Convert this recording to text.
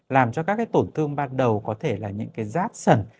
làm cho các tổn thương ban đầu có thể là những rát sần